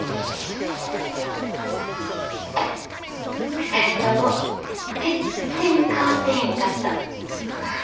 ２人とも全然変わってへんかった。